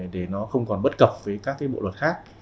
để nó không còn bất cập với các bộ luật khác